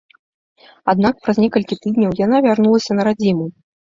Аднак праз некалькі тыдняў яна вярнулася на радзіму.